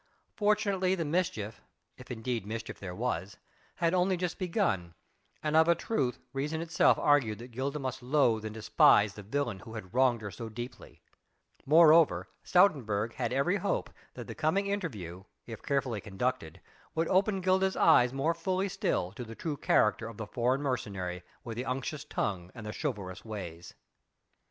Fortunately the mischief if indeed mischief there was had only just begun: and of a truth reason itself argued that Gilda must loathe and despise the villain who had wronged her so deeply: moreover Stoutenburg had every hope that the coming interview if carefully conducted would open Gilda's eyes more fully still to the true character of the foreign mercenary with the unctuous tongue and the chivalrous ways.